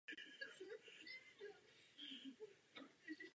Své dětství strávil na Havajských ostrovech se svými rodiči a sestrou.